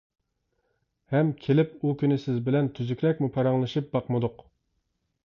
ھەم كېلىپ ئۇ كۈنى سىز بىلەن تۈزۈكرەكمۇ پاراڭلىشىپ باقمىدۇق.